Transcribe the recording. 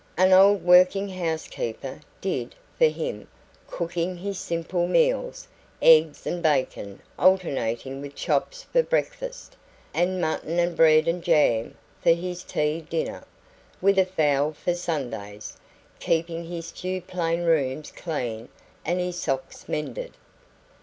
An old working housekeeper "did" for him, cooking his simple meals eggs and bacon alternating with chops for breakfast, and mutton and bread and jam for his tea dinner, with a fowl for Sundays keeping his few plain rooms clean and his socks mended.